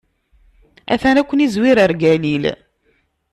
A-t-an ad ken-izwir ɣer Galil.